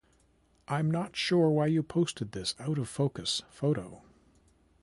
I'm not sure why you posted this out-of-focus photo.